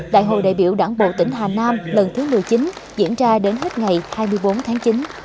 đại hội đại biểu đảng bộ tỉnh hà nam lần thứ một mươi chín diễn ra đến hết ngày hai mươi bốn tháng chín